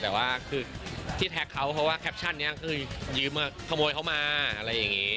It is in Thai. แต่ว่าคือที่แท็กเขาเพราะว่าแคปชั่นนี้คือยืมขโมยเขามาอะไรอย่างนี้